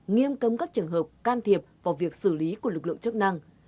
nghiêm cấm các trường hợp can thiệp vào việc xử lý của lực lượng chức năng